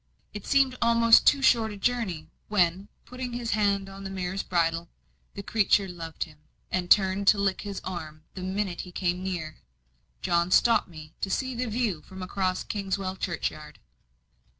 It seemed almost too short a journey, when, putting his hand on the mare's bridle the creature loved him, and turned to lick his arm the minute he came near John stopped me to see the view from across Kingswell churchyard.